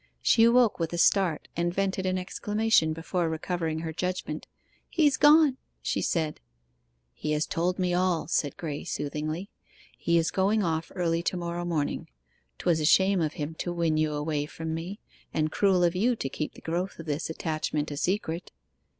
She awoke with a start, and vented an exclamation before recovering her judgment. 'He's gone!' she said. 'He has told me all,' said Graye soothingly. 'He is going off early to morrow morning. 'Twas a shame of him to win you away from me, and cruel of you to keep the growth of this attachment a secret.